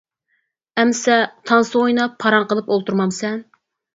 — ئەمىسە تانسا ئويناپ، پاراڭ قىلىپ ئولتۇرمامسەن.